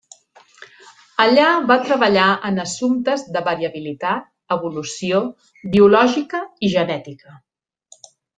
Allà va treballar en assumptes de variabilitat, evolució biològica, i genètica.